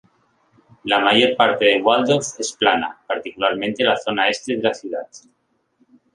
La mayor parte de Waldorf es plana, particularmente la zona este de la ciudad.